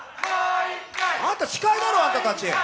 あんた、司会だろあんたたち。